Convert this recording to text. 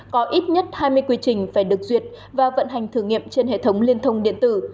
có ít nhất hai mươi quy trình phải được duyệt và vận hành thử nghiệm trên hệ thống liên thông điện tử